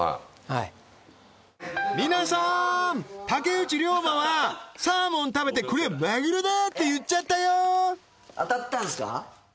はい皆さーん竹内涼真はサーモン食べてこれマグロだって言っちゃったよ当たったんですか？